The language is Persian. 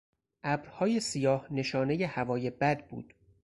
ابرهای سیاه نشانهی هوای بد بود.